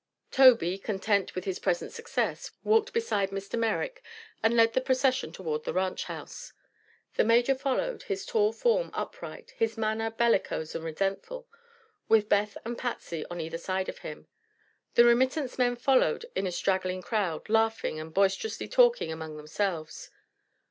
Tobey, content with his present success, walked beside Mr. Merrick and led the procession toward the ranch house. The Major followed, his tall form upright, his manner bellicose and resentful, with Beth and Patsy on either side of him. The remittance men followed in a straggling crowd, laughing and boisterously talking among themselves.